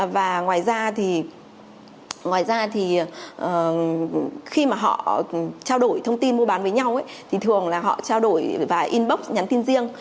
và ngoài ra thì khi mà họ trao đổi thông tin mua bán với nhau thì thường là họ trao đổi và inbox nhắn tin riêng